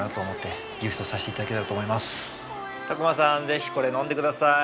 ぜひこれ飲んでください。